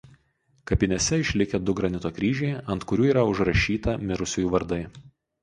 Kapinėse išlikę du granito kryžiai ant kurių yra užrašyta mirusiųjų vardai.